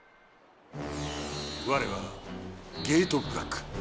われはゲートブラック！